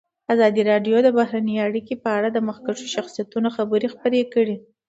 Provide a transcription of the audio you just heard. ازادي راډیو د بهرنۍ اړیکې په اړه د مخکښو شخصیتونو خبرې خپرې کړي.